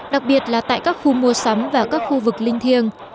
đặc biệt là tại các khu mua sắm và các khu vực linh thiêng